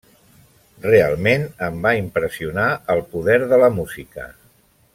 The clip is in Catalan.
Realment em va impressionar el poder de la música.